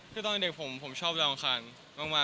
คือตอนเด็กผมผมชอบดาวอังคารมากเลยครับ